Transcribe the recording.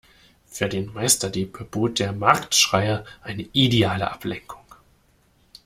Für den Meisterdieb bot der Marktschreier eine ideale Ablenkung.